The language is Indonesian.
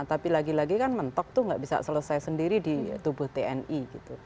tapi lagi lagi kan mentok tuh nggak bisa selesai sendiri di tubuh tni gitu